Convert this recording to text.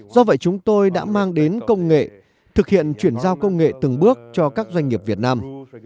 do vậy chúng tôi đã mang đến công nghệ thực hiện chuyển giao công nghệ từng bước cho các doanh nghiệp việt nam